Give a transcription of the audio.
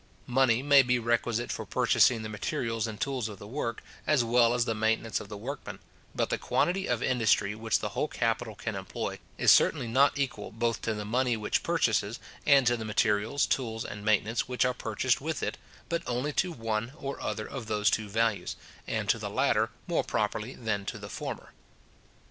Money may be requisite for purchasing the materials and tools of the work, as well as the maintenance of the workmen; but the quantity of industry which the whole capital can employ, is certainly not equal both to the money which purchases, and to the materials, tools, and maintenance, which are purchased with it, but only to one or other of those two values, and to the latter more properly than to the former.